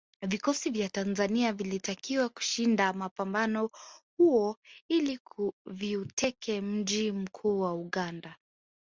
Vikosi vya Tanzania vilitakiwa kushinda mpambano huo ili viuteke mji mkuu wa Uganda